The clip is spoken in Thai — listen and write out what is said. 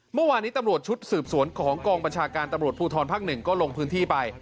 เมื่อวานนี้ตำรวจชุดสืบสวนของกองบัญชาการตำรวจภูทรภาค๑ก็ลงพื้นที่ไป